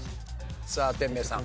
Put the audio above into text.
さあ天明さん。